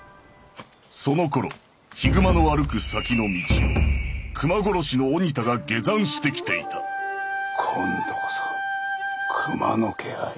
そのころ悲熊の歩く先の道を熊殺しの鬼田が下山してきていた今度こそ熊の気配？